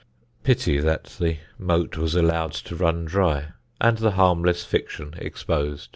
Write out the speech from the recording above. Pity that the moat was allowed to run dry and the harmless fiction exposed.